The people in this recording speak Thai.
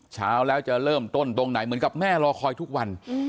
เช้าแล้วจะเริ่มต้นตรงไหนเหมือนกับแม่รอคอยทุกวัน